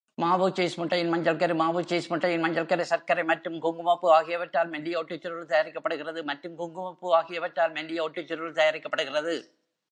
மாவு, சீஸ், முட்டையின் மஞ்சள் கரு, மாவு, சீஸ், முட்டையின் மஞ்சள் கரு, சர்க்கரை மற்றும் குங்குமப்பூ ஆகியவற்றால் மெல்லிய ஒட்டுச் சுருள் தயாரிக்கப்படுகிறது.மற்றும் குங்குமப்பூ ஆகியவற்றால் மெல்லிய ஒட்டுச் சுருள் தயாரிக்கப்படுகிறது.